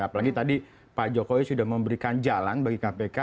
apalagi tadi pak jokowi sudah memberikan jalan bagi kpk